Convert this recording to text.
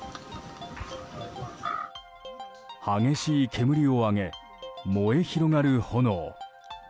激しい煙を上げ燃え広がる炎。